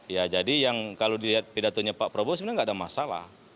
ya jadi yang kalau dilihat pidatonya pak prabowo sebenarnya nggak ada masalah